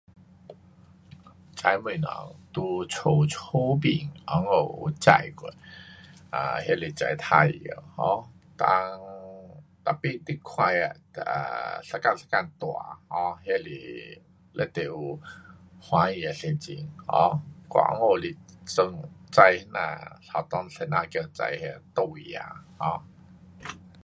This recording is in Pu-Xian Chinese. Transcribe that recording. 种东西在家，家边，温故有种过。um 那是种玩耍 um 当，tapi 你看那 um 一天一天大 um 那是非常有欢喜的心情。um 我温故是种，种怎样学校老师叫种那个豆芽 um